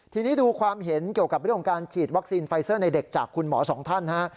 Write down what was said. ทีนี้ดูความเห็นเกี่ยวกับเรื่องของการฉีดวัคซีนไฟเซอร์ในเด็กจากคุณหมอสองท่านฮะ